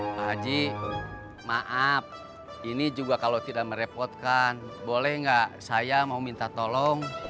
pak haji maaf ini juga kalau tidak merepotkan boleh nggak saya mau minta tolong